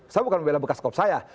saya bukan membela bekas kop saya